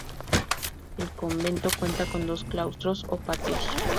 El convento cuenta con dos claustros o patios.